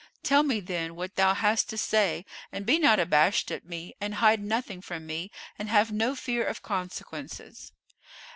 Tell me then what thou hast to say and be not abashed at me and hide nothing from me and have no fear of consequences."